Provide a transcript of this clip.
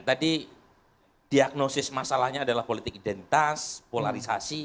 tadi diagnosis masalahnya adalah politik identitas polarisasi